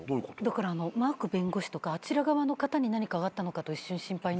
だからマーク弁護士とかあちら側の方に何かがあったのかと一瞬心配になった。